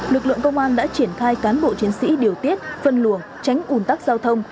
lực lượng công an đã triển khai cán bộ chiến sĩ điều tiết phân luồng tránh ủn tắc giao thông